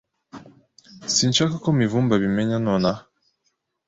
Sinshaka ko Mivumbi abimenya nonaha.